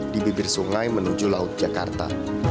di bibir sungai menuju laut jakarta